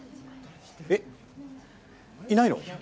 えっいないの？